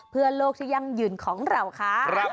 เพื่อโลกที่ยั่งยืนของเราค่ะ